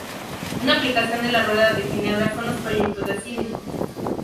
Una aplicación de la rueda de Ginebra son los proyectores de cine.